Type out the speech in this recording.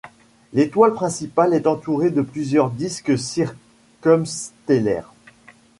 L'étoile principale est entourée de plusieurs disques circumstellaires.